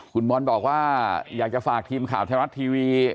คุณบอลบอกว่าอยากจะฝากทีมข่าวไทยรัฐทีวี